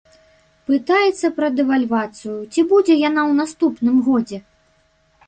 Пытаецца пра дэвальвацыю, ці будзе яна ў наступным годзе?